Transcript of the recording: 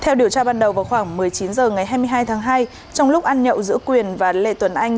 theo điều tra ban đầu vào khoảng một mươi chín h ngày hai mươi hai tháng hai trong lúc ăn nhậu giữa quyền và lê tuấn anh